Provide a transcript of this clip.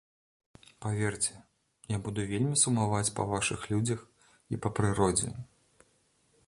Паверце, я буду вельмі сумаваць па вашых людзях і па прыродзе.